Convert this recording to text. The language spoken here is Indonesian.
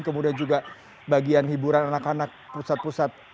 kemudian juga bagian hiburan anak anak pusat pusat